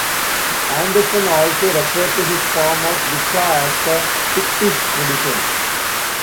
Anderson also referred to his form of Wicca as the "Pictish" tradition.